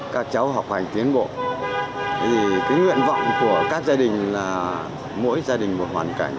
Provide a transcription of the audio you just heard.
các cháu học hành tiến bộ thì cái nguyện vọng của các gia đình là mỗi gia đình một hoàn cảnh